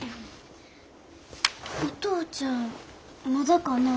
お父ちゃんまだかな？